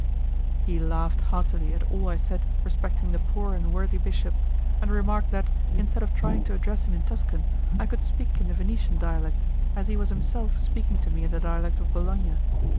He laughed heartily at all I said respecting the poor and worthy bishop, and remarked that, instead of trying to address him in Tuscan, I could speak in the Venetian dialect, as he was himself speaking to me in the dialect of Bologna.